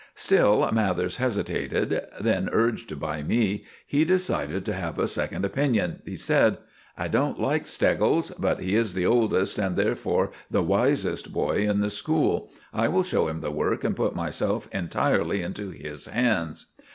Still Mathers hesitated; then, urged by me, he decided to have a second opinion. He said— "I don't like Steggles; but he is the oldest and therefore the wisest boy in the school. I will show him the work and put myself entirely into his hands."